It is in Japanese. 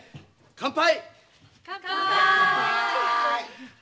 乾杯！